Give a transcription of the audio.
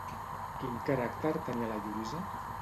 Quin caràcter tenia la Lluïsa?